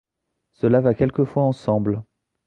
Cela va quelquefois ensemble.